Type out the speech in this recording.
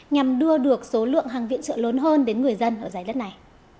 nhằm đưa được số lượng hàng viện trợ lớn hơn đến người dân ở giải đất này